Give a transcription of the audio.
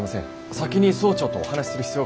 先に総長とお話しする必要がありますので。